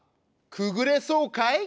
くぐれそうかい？